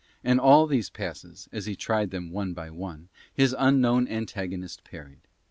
And all these passes, as he tried them one by one, his unknown antagonist parried.